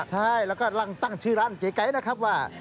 ใช่แล้วก็ตั้งชื่อร้านเก๋ไก๊นะครับว่า